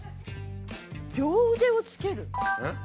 「両腕をつける」。